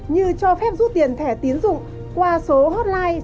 như cho phép rút tiền thẻ tiến dụng qua số hotline